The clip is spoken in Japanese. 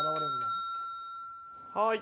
はい。